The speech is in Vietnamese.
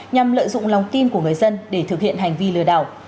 nhằm lợi dụng lòng tin của người dân để thực hiện hành vi lừa đảo